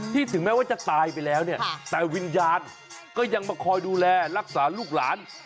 ถึงแม้ว่าจะตายไปแล้วเนี่ยแต่วิญญาณก็ยังมาคอยดูแลรักษาลูกหลาน